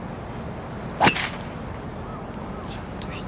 ちょっと左。